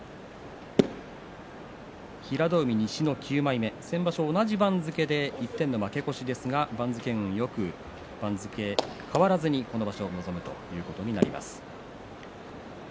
平戸海、西の９枚目先場所、同じ番付で一点の負け越しですが番付運がよく番付変わらずに、この場所に臨むということになります。